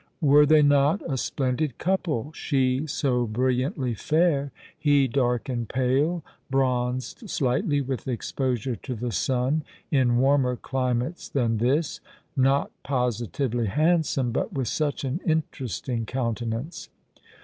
Were they not a splendid couple, she so brilliantly fair, he dark and pale, bronzed slightly with exposure to the sun in warmer climates than this— not positively handsome, but with such an interesting countenance.